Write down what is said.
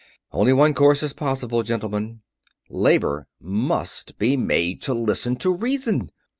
Only one course is possible, gentlemen; labor must be made to listen to reason.